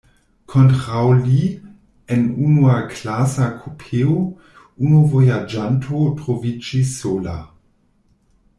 Kontraŭ li, en unuaklasa kupeo, unu vojaĝanto troviĝis sola.